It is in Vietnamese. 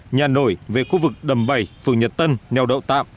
nhà nổi về khu vực đầm bảy phường nhật tân neo đậu tạm